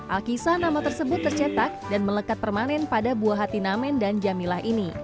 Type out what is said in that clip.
alkisah nama tersebut tercetak dan melekat permanen pada buah hati namen dan jamilah ini